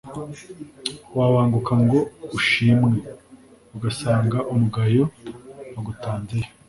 Wabanguka ngo ushimwe, ugasanga umugayo wagutanzeyo.